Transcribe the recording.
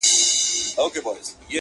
o څه خوره، څه پرېږده!